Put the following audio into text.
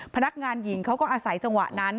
พนักงานหญิงเขาก็อาศัยจังหวะนั้น